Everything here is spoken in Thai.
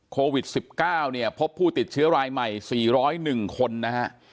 โควิด๑๙เนี่ยพบผู้ติดเชื้อรายใหม่๔๐๑คนนะฮะ